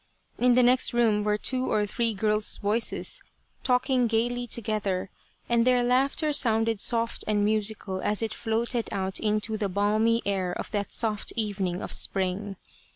In the next room were two or three girls' voices talking gaily together, and their laughter sounded soft and musical as it floated out into the balmy air of that soft evening of spring.